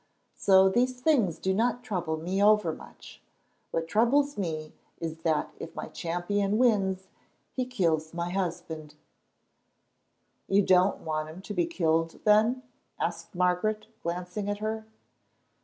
So these things do not trouble me over much. What troubles me is that if my champion wins he kills my husband." "You don't want him to be killed then?" asked Margaret, glancing at her.